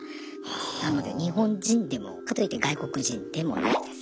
なので日本人でもかといって外国人でもないです。